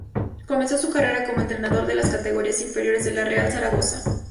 Comenzó su carrera como entrenador de las categorías inferiores del Real Zaragoza.